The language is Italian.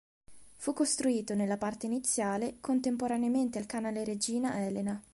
Fu costruito nella parte iniziale contemporaneamente al canale Regina Elena.